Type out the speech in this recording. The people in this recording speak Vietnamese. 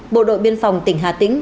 bộ đội biên phòng tỉnh hà tĩnh